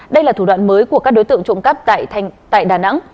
đây là thủ đoạn mới của các đối tượng trộm cắp tại đà nẵng